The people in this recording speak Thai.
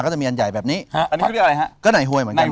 ใช่